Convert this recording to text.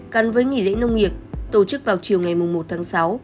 cắn với nghỉ lễ nông nghiệp tổ chức vào chiều ngày một tháng sáu